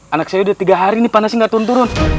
anak saya udah tiga hari ini panasnya nggak turun turun